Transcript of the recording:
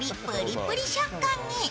プリプリ食感に。